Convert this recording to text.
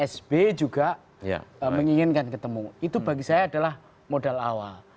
sby juga menginginkan ketemu itu bagi saya adalah modal awal